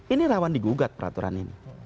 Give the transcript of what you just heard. ini rawan digugat peraturan ini